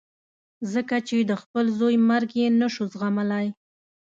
ځکه چې د خپل زوی مرګ یې نه شو زغملای.